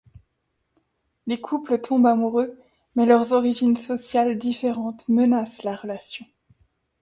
Le couple tombe amoureux mais leurs origines sociales différentes menacent la relation.